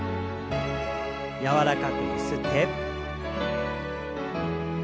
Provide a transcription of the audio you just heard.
柔らかくゆすって。